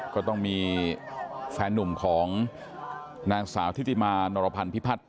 ก็ต้องมีแฟนหนุ่มของนางสาวทิติมานรพันธิพัฒน